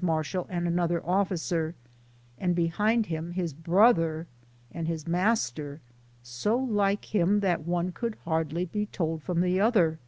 Marshal and another officer, and behind him his brother and his master, so like him that one could hardly be told from the other.